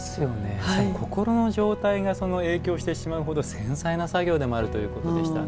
心の状態が影響してしまうほど繊細な作業でもあるということでしたね。